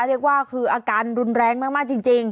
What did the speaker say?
เรียกว่าคืออาการรุนแรงมากจริง